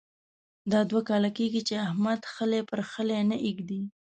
دا دوه کاله کېږې چې احمد خلی پر خلي نه اېږدي.